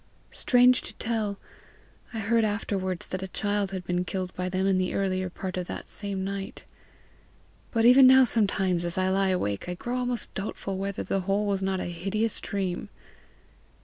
Strange to tell, I heard afterwards that a child had been killed by them in the earlier part of that same night. But even now sometimes, as I lie awake, I grow almost doubtful whether the whole was not a hideous dream.